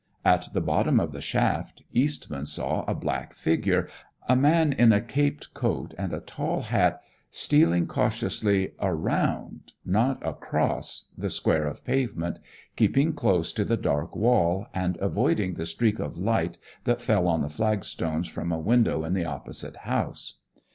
At the bottom of the shaft Eastman saw a black figure, a man in a caped coat and a tall hat stealing cautiously around, not across the square of pavement, keeping close to the dark wall and avoiding the streak of light that fell on the flagstones from a window in the opposite house.